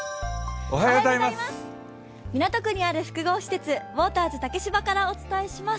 港区にある複合施設・ウォーターズ竹芝からお伝えします。